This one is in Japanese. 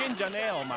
お前。